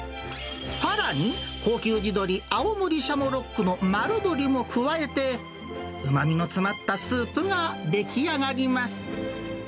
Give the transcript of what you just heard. さらに、高級地鶏、青森シャモロックの丸鶏も加えて、うまみの詰まったスープが出来上がります。